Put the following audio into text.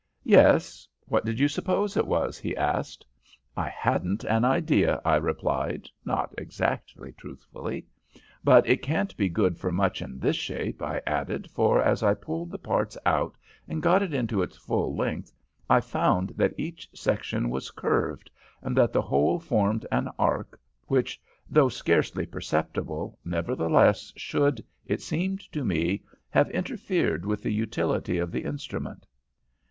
"'Yes. What did you suppose it was?' he asked. "'I hadn't an idea,' I replied, not exactly truthfully. 'But it can't be good for much in this shape,' I added, for, as I pulled the parts out and got it to its full length, I found that each section was curved, and that the whole formed an arc, which, though scarcely perceptible, nevertheless should, it seemed to me, have interfered with the utility of the instrument.